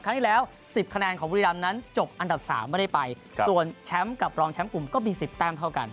ครั้งที่แล้ว๑๐คะแนนของบุรีรำนั้นจบอันดับ๓ไม่ได้ไปส่วนแชมป์กับรองแชมป์กลุ่มก็มี๑๐แต้มเท่ากัน